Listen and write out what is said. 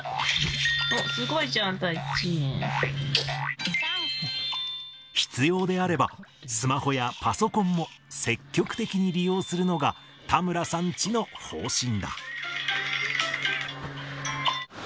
すごいじゃん、必要であれば、スマホやパソコンも積極的に利用するのが田村さんチの方針だ。